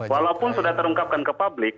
walaupun sudah terungkapkan ke publik